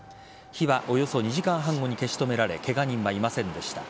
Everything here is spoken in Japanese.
火はおよそ２時間半後に消し止められケガ人はいませんでした。